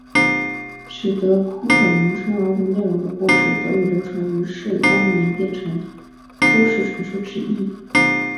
使得空有名称而无内容的故事得以流传于世多年变成都市传说之一。